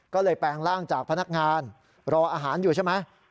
ก็เลยแปลงร่างจากพนักงานรออาหารอยู่ใช่ไหม